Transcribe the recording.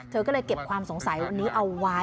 เธอก็เลยเก็บความสงสัยวันนี้เอาไว้